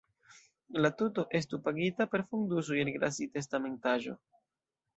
La tuto estu pagita per fondusoj el la Grassi-testamentaĵo.